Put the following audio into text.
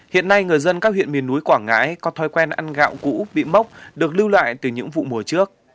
hiện nay người dân các huyện miền núi quảng ngãi có thói quen ăn gạo cũ bị mốc được lưu lại từ những vụ mùa trước